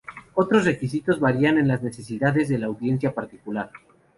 Otros requisitos varían en las necesidades de la audiencia particular.